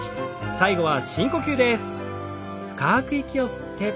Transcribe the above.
最後は深呼吸です。